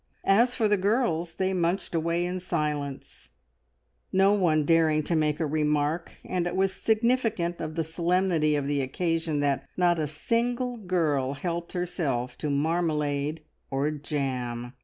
As for the girls, they munched away in silence, no one daring to make a remark, and it was significant of the solemnity of the occasion that not a single girl helped herself to marmalade or jam.